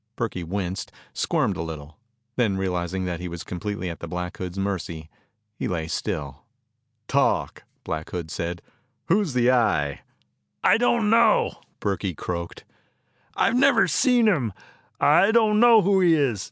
Burkey winced, squirmed a little. Then realizing that he was completely at the Black Hood's mercy, he lay still. "Talk!" Black Hood said. "Who is the Eye?" "I don't know," Burkey croaked. "I've never seen him. I don't know who he is.